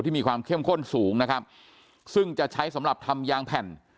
มีความเข้มข้นสูงนะครับซึ่งจะใช้สำหรับทำยางแผ่น